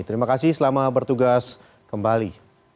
terima kasih selamat bertugas kembali